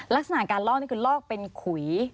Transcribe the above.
ลักษณะการลอกนี่คือลอกเป็นขุย